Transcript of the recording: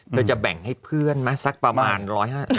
จะแบ่งให้เพื่อนไหมสักประมาณ๑๕๐